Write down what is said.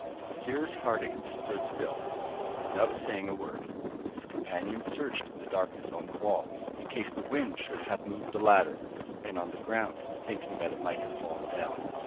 Cyrus Harding stood still, without saying a word. His companions searched in the darkness on the wall, in case the wind should have moved the ladder, and on the ground, thinking that it might have fallen down....